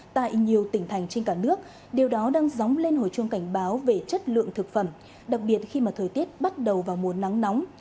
tại nhiều tỉnh thành trên cả nước điều đó đang dóng lên hồi chuông cảnh báo về chất lượng thực phẩm đặc biệt khi mà thời tiết bắt đầu vào mùa nắng nóng